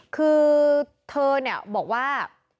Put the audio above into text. คือเธอเนี่ยบอกว่า